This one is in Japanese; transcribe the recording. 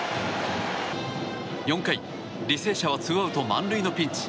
４回、履正社はツーアウト満塁のピンチ。